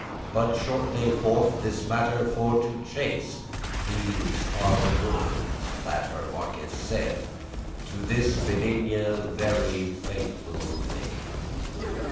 But shortly forth this matter for to chase,* *push on, pursue These are the wordes that the marquis said To this benigne, very,* faithful maid.